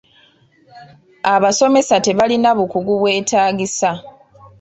Abasomesa tebalina bukugu bweetaagisa.